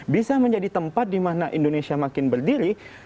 bisa menjadi tempat di mana indonesia makin berdiri